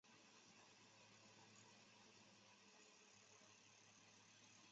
金宝汤公司出品的一种罐头装的浓汤。